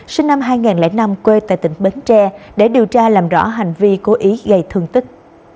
sinh năm hai nghìn năm quê tại tỉnh bến tre để điều tra làm rõ hành vi cố ý gây thương tích